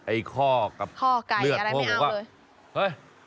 ไอ้ข้อกับข้อกัยอะไรไม่เอาเลยเพราะว่าเฮ้ย